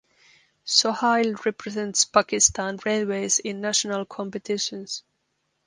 Sohail represents Pakistan Railways in national competitions.